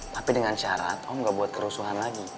tapi dengan syarat kamu gak buat kerusuhan lagi